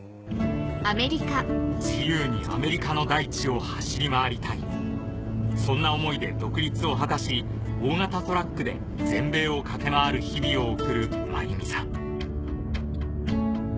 自由にアメリカの大地を走り回りたいそんな思いで独立を果たし大型トラックで全米を駆け回る日々を送るマユミさん